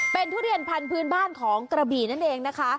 เป็นทุเรียนพันธุ์บ้านของกระบี่นั่นเองนะคะ